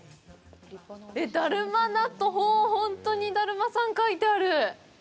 えっ、だるま納豆、本当にだるまさんが描いてある！